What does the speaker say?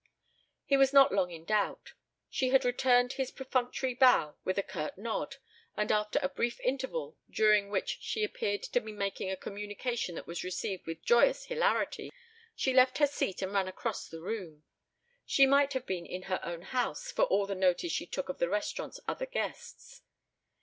He was not long in doubt. She had returned his perfunctory bow with a curt nod, and after a brief interval during which she appeared to be making a communication that was received with joyous hilarity she left her seat and ran across the room. She might have been in her own house for all the notice she took of the restaurant's other guests.